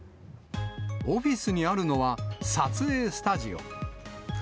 オフィスにあるのは、撮影スタジオ。